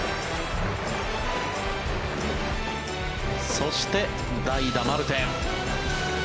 そして代打、マルテ。